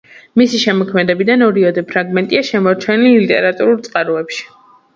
მისი შემოქმედებიდან ორიოდე ფრაგმენტია შემორჩენილი ლიტერატურულ წყაროებში.